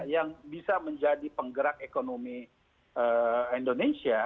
yang bisa menjadi penggerak ekonomi indonesia